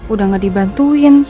udah gak dibantuin